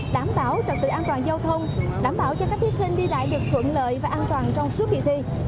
đảm bảo trật tự an toàn giao thông đảm bảo cho các thí sinh đi lại được thuận lợi và an toàn trong suốt kỳ thi